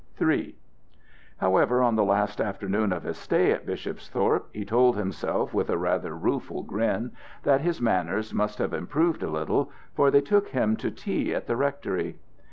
III However on the last afternoon of his stay at Bishopsthorpe, he told himself with a rather rueful grin, that his manners must have improved a little, for they took him to tea at the rectory.